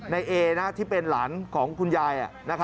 ในเอที่เป็นหลานของคุณยาย